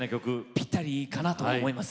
ぴったりかなと思います。